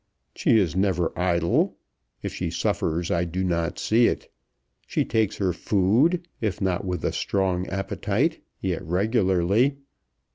She is never idle. If she suffers I do not see it. She takes her food, if not with strong appetite, yet regularly.